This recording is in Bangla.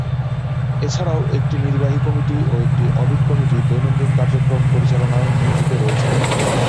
এছাড়াও একটি নির্বাহী কমিটি ও একটি অডিট কমিটি দৈনন্দিন কার্যক্রম পরিচলনায় নিয়োজিত রয়েছে।